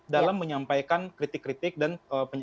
dalam menyampaikan kritik kritik dan pendapat saya